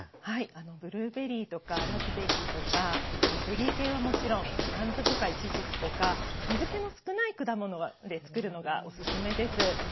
はいブルーベリーとかラズベリーとかベリー系はもちろんアンズとかイチジクとか水けの少ない果物でつくるのがオススメです。